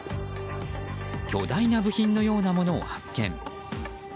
巨大な部品のようなものを発見。